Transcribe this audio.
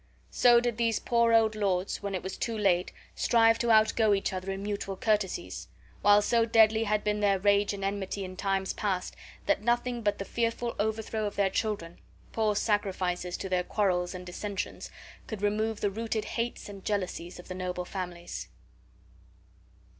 So did these poor old lords, when it was too late, strive to outgo each other in mutual courtesies; while so deadly had been their rage and enmity in past times that nothing but the fearful overthrow of their children (poor sacrifices to their quarrels and dissensions) could remove the rooted hates and jealousies of the noble families.